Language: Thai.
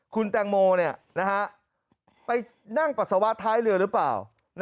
คุณแตงโมไปนั่งปัสสาวะท้ายเรือหรือเปล่า